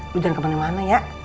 lo jangan kemana mana ya